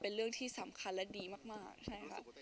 เป็นเรื่องที่สำคัญและดีมากใช่ค่ะ